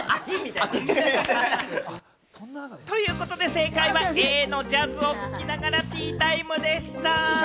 正解はＡのジャズを聴きながらティータイムでした。